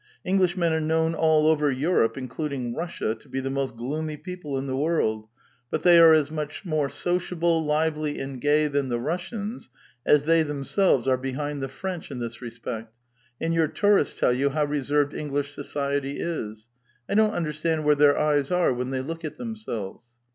Englishmen are known all over Europe, in cluding Russia, to be the most gloomy people in the world, but they are as much more sociable, lively, and gay than the Russians, as they themselves are behind the French in this respect, and ^our tourists tell you how reser>'ed English society is. I don't understatid where their eyes are when they look at themselves."